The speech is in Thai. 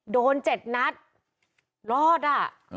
โดน๗นัดรอดอ่ะ